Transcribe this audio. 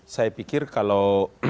saya pikir kalau